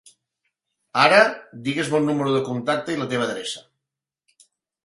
Ara digues-me un número de contacte i la teva adreça.